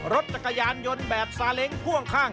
รถจักรยานยนต์แบบซาเล้งพ่วงข้าง